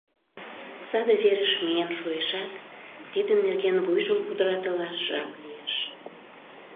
Саде верыш миен шуэшат, тидын нерген вуйжым пудыратылаш жап лиеш.